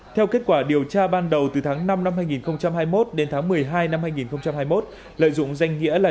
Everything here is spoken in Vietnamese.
theo kết quả điều tra ban đầu từ tháng năm năm hai nghìn hai mươi một đến tháng một mươi hai năm hai nghìn hai mươi một lợi dụng danh nghĩa là